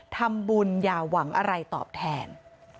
ทำบุญอย่าหวังอะไรตอบแทน